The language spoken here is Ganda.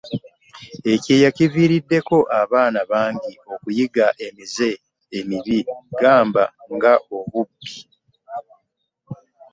ekyeya kiviiriddeko abaana bangi okuyiga emize emibi gamba ng'obubbi